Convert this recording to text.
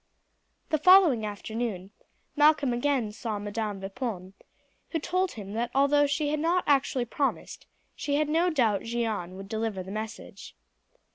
The following afternoon Malcolm again saw Madam Vipon, who told him that although she had not actually promised she had no doubt Jeanne would deliver the message.